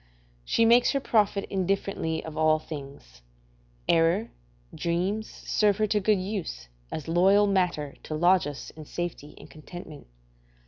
She makes her profit indifferently of all things; error, dreams, serve her to good use, as loyal matter to lodge us in safety and contentment.